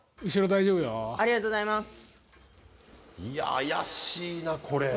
怪しいな、これ。